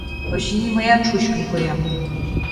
Очыни, мыят шучкын коям.